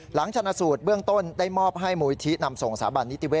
ชนะสูตรเบื้องต้นได้มอบให้มูลิธินำส่งสถาบันนิติเว